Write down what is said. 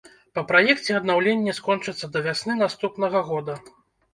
Па праекце аднаўленне скончыцца да вясны наступнага года.